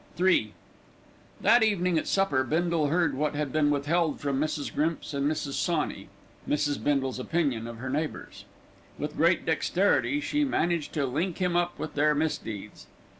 III That evening at supper, Bindle heard what had been withheld from Mrs. Grimps and Mrs. Sawney Mrs. Bindle's opinion of her neighbours. With great dexterity, she managed to link him up with their misdeeds.